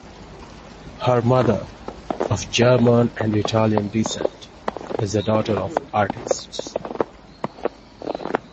Her mother, of German and Italian descent, is the daughter of artists.